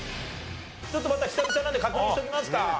ちょっとまた久々なんで確認しておきますか。